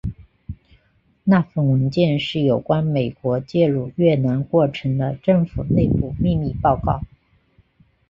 那份文件是有关美国介入越南过程的政府内部秘密报告。